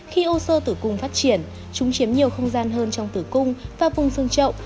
khi u sơ tử cung phát triển chúng chiếm nhiều không gian hơn trong tử cung và vùng sương trậu